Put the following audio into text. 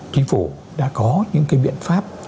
chính phủ đã có những cái biện pháp